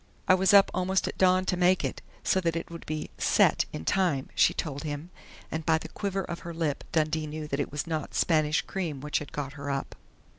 "I was up almost at dawn to make it, so that it would 'set' in time," she told him, and by the quiver of her lip Dundee knew that it was not Spanish cream which had got her up....